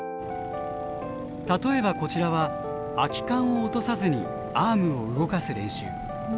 例えばこちらは空き缶を落とさずにアームを動かす練習。